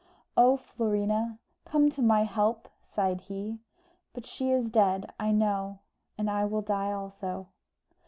"Oh, Florina, come to my help!" sighed he, "But she is dead, I know, and I will die also."